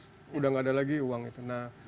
sudah tidak ada lagi uang itu